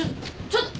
ちょっと。